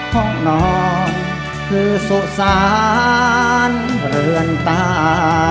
ของน้องคือโสสานเหลือนตา